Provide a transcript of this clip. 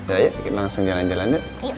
ayo yuk langsung jalan jalan dulu